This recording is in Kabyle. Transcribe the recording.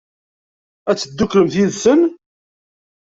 Ad tedduklem yid-sen?